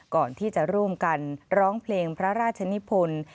ก่อนที่จะร่วมกันร้องเพลงพระราชนิพล